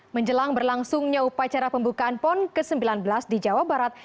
menjelang berlangsungnya upacara pembukaan pon ke sembilan belas di jawa barat